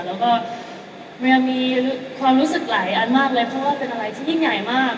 แล้วก็เวียมีความรู้สึกหลายอันมากเลยเพราะว่าเป็นอะไรที่ยิ่งใหญ่มาก